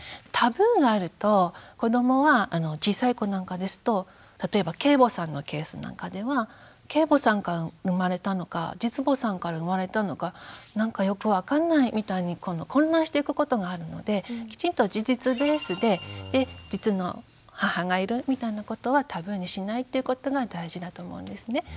タブーがあると子どもは小さい子なんかですと例えば継母さんのケースなんかでは継母さんから生まれたのか実母さんから生まれたのかなんかよく分かんないみたいに混乱していくことがあるのできちんと事実ベースで実の母がいるみたいなことはタブーにしないっていうことが大事だと思うんですね。